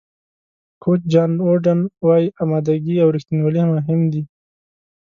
کوچ جان ووډن وایي آمادګي او رښتینولي مهم دي.